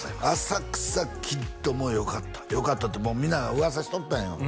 「浅草キッド」もよかったよかったってもうみんな噂しとったんよ